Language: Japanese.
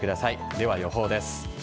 では予報です。